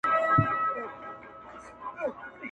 کلی ورو ورو د پیښي له فشار څخه ساه اخلي،